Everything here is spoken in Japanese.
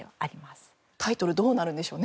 タイトルどうなるんでしょうね？